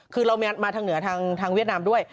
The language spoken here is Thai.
คือเรามาทางเหนือทางเวียดนามด้วย